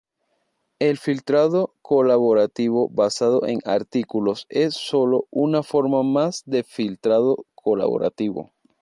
El filtrado colaborativo basado en artículos es solo una forma más de filtrado colaborativo.